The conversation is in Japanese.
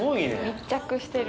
密着してる。